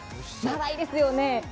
長いですよね。